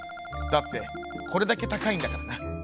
だってこれだけたかいんだからな」。